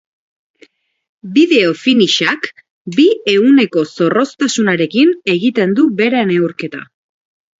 Bideo finish-ak bi ehuneneko zorroztasunarekin egiten du bere neurketa.